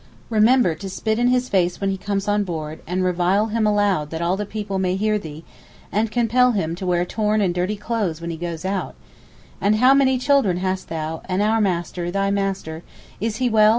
Remember to spit in his face when he comes on board, and revile him aloud that all the people may hear thee, and compel him to wear torn and dirty clothes when he goes out:—and how many children hast thou, and our master, thy master, and is he well?